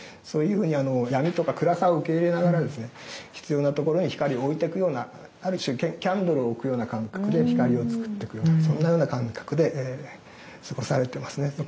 そういうふうに闇とか暗さを受け入れながらですね必要なところに光を置いてくようなある種キャンドルを置くような感覚で光をつくってくようなそんなような感覚で過ごされてますね。